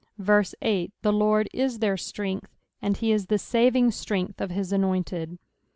8 The Lord is their strength, and he is the saving strength of his anointed.